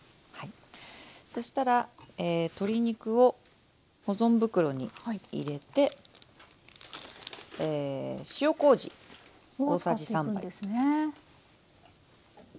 そしたら鶏肉を保存袋に入れて塩こうじ大さじ３杯です。